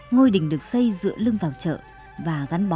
ngôi đình được xây dựa lưng vào chợ và gắn bó